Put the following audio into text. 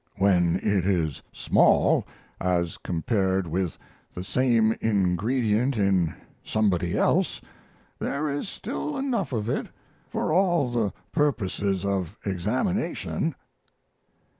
When it is small, as compared with the same ingredient in somebody else, there is still enough of it for all the purposes of examination.